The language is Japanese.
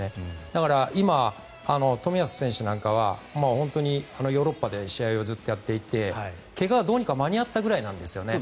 だから今、冨安選手なんかはヨーロッパで試合をずっとやっていて怪我は、どうにか間に合ったくらいなんですね。